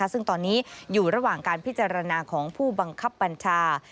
ซึ่งตอนนี้อยู่ระหว่างการพิจารณาของผู้บังคับบัญชา